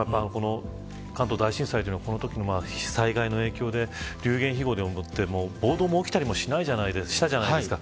関東大震災、このときは災害の影響で、流言飛語も起きて暴動も起きたりしたじゃないですか。